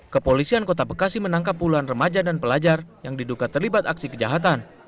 kepolisian kota bekasi menangkap puluhan remaja dan pelajar yang diduga terlibat aksi kejahatan